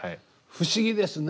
不思議ですね。